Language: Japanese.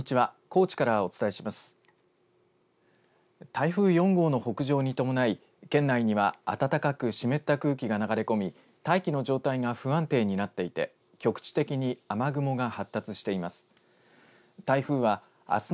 台風４号の北上に伴い県内には暖かく湿った空気が流れ込み大気の状態が不安定になっていて局地的に雨雲が発達しています。